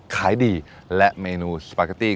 ขายดีและเมนูสปาเกตตี้